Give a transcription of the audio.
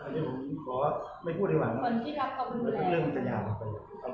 หวังที่คือเป็นอากาศ